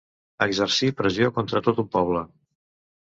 Exercí pressió contra tot un poble.